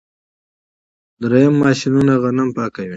دریم ماشینونه غنم پاکوي.